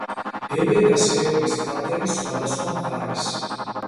დებედას ხეობის კალთების სხვადასხვა მხარეს.